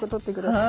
はい。